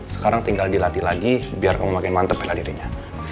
sekarang tinggal dilatih lagi biar kamu makin mantep beladirinya